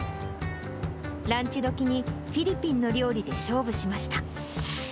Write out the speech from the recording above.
ランチどきにフィリピンの料理で勝負しました。